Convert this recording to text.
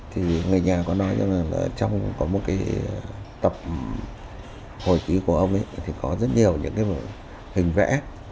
thì người nhà có nói trong có một cái tập hội ký của ông ấy thì có rất nhiều những cái hình vẽ